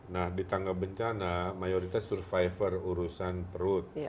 nah di tangga bencana mayoritas survivor urusan perut